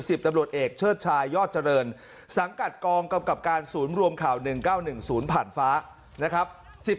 ตำรวจเอกเชิดชายยอดเจริญสังกัดกองกำกับการศูนย์รวมข่าว๑๙๑๐ผ่านฟ้านะครับ